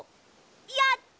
やった！